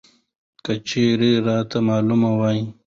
که چېرې راته معلوم وى!